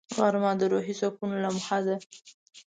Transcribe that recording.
غرمه د روحي سکون لمحه ده